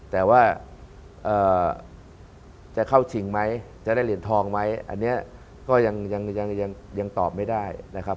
แต่ว่าจะเข้าชิงไหมจะได้เหรียญทองไหมอันนี้ก็ยังตอบไม่ได้นะครับ